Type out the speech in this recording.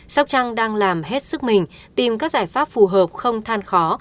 sóc trăng đang làm hết sức mình tìm các giải pháp phù hợp không than khó